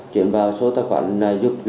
chuyển vào số tài khoản này giúp lấy tiền hàng